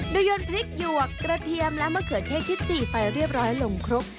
โดยยนต์พริกหยวกกระเทียมและมะเขือเทศที่จี่ไปเรียบร้อยลงคลุก